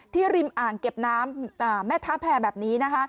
ที่ริมอ่างเก็บน้ำแม่ท้าแพร่แบบนี้